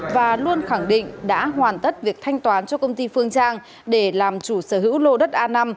và luôn khẳng định đã hoàn tất việc thanh toán cho công ty phương trang để làm chủ sở hữu lô đất a năm